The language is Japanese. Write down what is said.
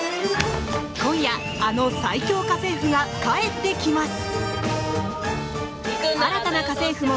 今夜、あの最恐家政夫が帰ってきます！